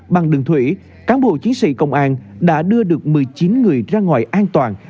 bằng đường thủy cán bộ chiến sĩ công an đã đưa được một mươi chín người ra ngoài an toàn